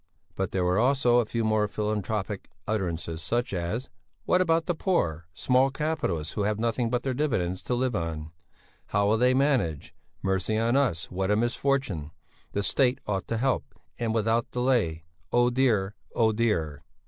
But there were also a few more philanthropic utterances, such as: "What about the poor, small capitalists who have nothing but their dividends to live on? How'll they manage? Mercy on us, what a misfortune! The State ought to help, and without delay! Oh dear! Oh dear!"